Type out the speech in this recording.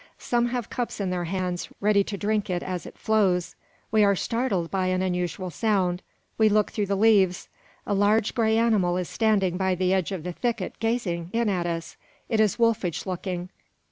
Some have cups in their hands, ready to drink it as it flows! We were startled by an unusual sound. We look through the leaves. A large grey animal is standing by the edge of the thicket, gazing in at us. It is wolfish looking.